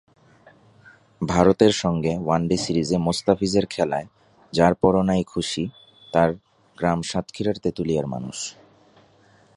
ভারতের সঙ্গে ওয়ানডে সিরিজে মোস্তাফিজের খেলায় যারপরনাই খুশি তাঁর গ্রাম সাতক্ষীরার তেঁতুলিয়ার মানুষ।